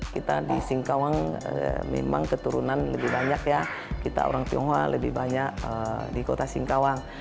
kita di singkawang memang keturunan lebih banyak ya kita orang tionghoa lebih banyak di kota singkawang